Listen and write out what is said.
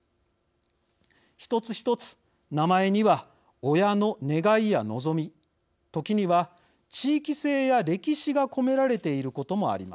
一つ一つ名前には親の願いや望み時には地域性や歴史が込められていることもあります。